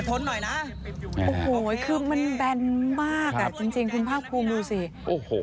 หน่อยนะโอ้โหคือมันแบนมากอ่ะจริงจริงคุณภาคภูมิดูสิโอ้โห